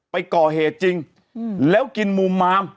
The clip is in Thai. ไปก่อเหตุจริงแล้วกินมุมมาม